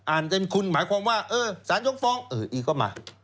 อ่านเป็นคุณหมายความว่าสารยกฟองอีกก็มา